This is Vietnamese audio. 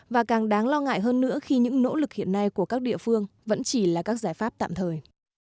và càng đáng lo ngại hơn nữa khi những nỗ lực hiện nay của các địa phương vẫn chỉ là các giải pháp tạm thời